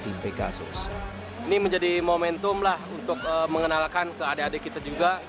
ini menjadi momentum lah untuk mengenalkan ke adik adik kita juga